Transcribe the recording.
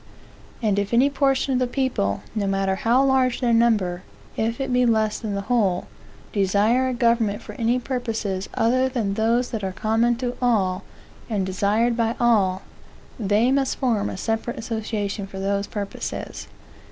And if any portion of the people, no matter how large their number, if it be less than the whole, desire a government for any purposes other than those that are common to all, and desired by all, they must form a separate association for those purposes.